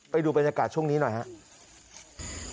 ไปดูบรรยากาศช่วงนี้หน่อยครับ